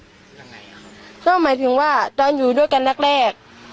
ไม่ดีครึ่งหนึ่งก็หมายถึงว่าตอนอยู่ด้วยกันแรกแรก